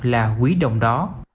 là quý đồng đó